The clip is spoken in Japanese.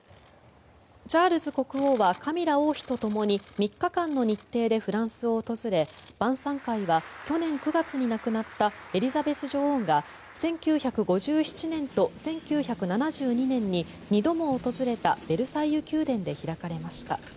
チャールズ国王はカミラ王妃とともに３日間の日程でフランスを訪れ晩さん会は去年９月に亡くなったエリザベス女王が１９５７年と１９７２年に２度も訪れたベルサイユ宮殿で開かれました。